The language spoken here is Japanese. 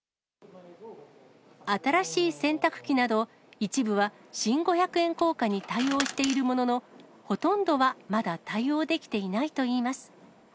新しい洗濯機など、一部は新五百円硬貨に対応しているものの、ほとんどは、まだ対応できていないといいます。